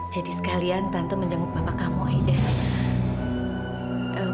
jadi sekalian tante menjenguk bapak kamu aida